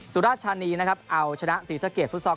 สุรชนีนะครับเอาชนะศรีสะเกียจฟุตซอค